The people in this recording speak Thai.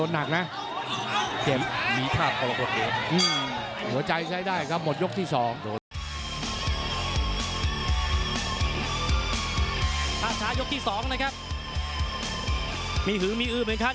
หนุ่มหัวใจใช้ได้ครับหมดยกที่๒